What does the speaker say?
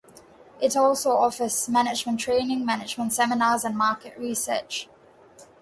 It also offers management training, management seminars, and market research.